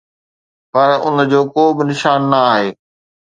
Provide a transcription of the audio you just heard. پر ان جو ڪو به نشان نه آهي